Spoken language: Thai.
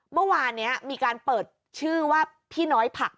เมื่อวานนี้มีการเปิดชื่อว่าพี่น้อยผัก